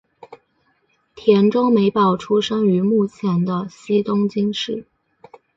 田中美保出生于目前的西东京市。